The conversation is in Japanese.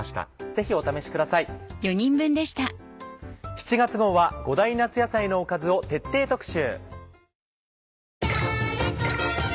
７月号は５大夏野菜のおかずを徹底特集。